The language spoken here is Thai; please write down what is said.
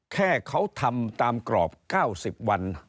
แค่เขาทำตามกรอบ๙๐วัน